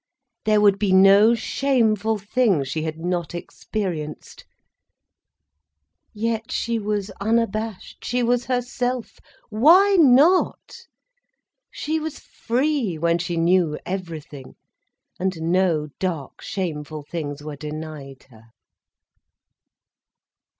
There would be no shameful thing she had not experienced. Yet she was unabashed, she was herself. Why not? She was free, when she knew everything, and no dark shameful things were denied her.